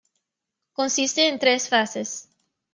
Consiste en tres fases.